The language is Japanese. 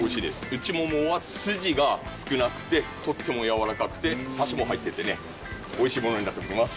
内ももは筋が少なくてとっても柔らかくて、サシも入っててね、おいしいものになっております。